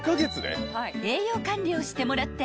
［栄養管理をしてもらって］